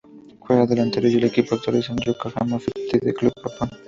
Juega de delantero y su equipo actual es el Yokohama Fifty Club de japón.